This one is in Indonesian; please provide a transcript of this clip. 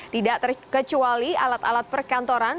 tidak terkecuali alat alat perkantoran